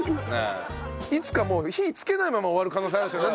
いつか火つけないまま終わる可能性あるんですよね